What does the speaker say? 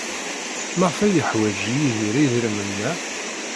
Maɣef ay yeḥwaj Yidir idrimen-a?